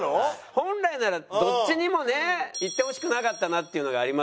本来ならどっちにもねいってほしくなかったなっていうのがありますけども。